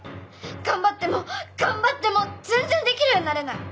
頑張っても頑張っても全然できるようになれない。